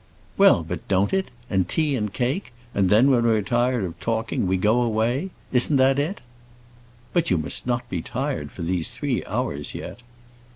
"Well, but don't it? and tea and cake? and then, when we're tired of talking, we go away, isn't that it?" "But you must not be tired for these three hours yet."